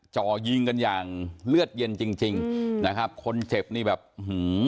จ่อยิงกันอย่างเลือดเย็นจริงจริงอืมนะครับคนเจ็บนี่แบบอื้อหือ